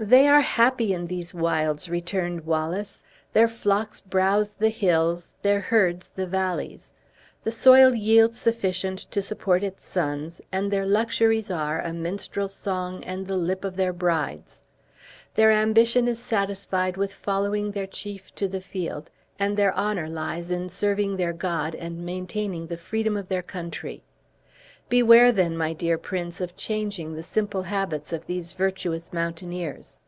"They are happy in these wilds," returned Wallace, "their flocks browse the hills, their herds the valleys. The soil yields sufficient to support its sons; and their luxuries are, a minstrel's song and the lip of their brides. Their ambition is satisfied with following their chief to the field; and their honor lies in serving their God and maintaining the freedom of their country. Beware, then, my dear prince, of changing the simple habits of those virtuous mountaineers.